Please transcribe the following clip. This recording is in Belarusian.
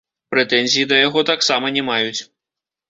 Прэтэнзій да яго таксама не маюць.